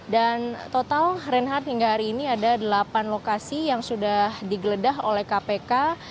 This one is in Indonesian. dan total renhard hingga hari ini ada delapan lokasi yang sudah digeledah oleh kpk